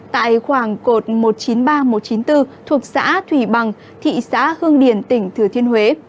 tại khoảng cột một trăm chín mươi ba nghìn một trăm chín mươi bốn thuộc xã thủy bằng thị xã hương điển tỉnh thừa thiên huế